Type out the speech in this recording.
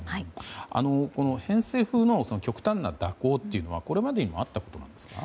偏西風の極端な蛇行というのは、これまでにもあったことなんですか？